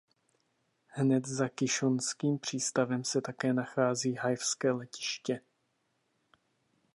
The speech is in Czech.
Hned za kišonským přístavem se také nachází haifské letiště.